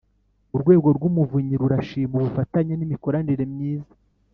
Urwego rw Umuvunyi rurashima ubufatanye n imikoranire myiza